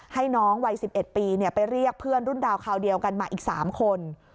ให้น้องวัยสิบเอ็ดปีเนี่ยไปเรียกเพื่อนรุ่นดาวน์คราวเดียวกันมาอีกสามคน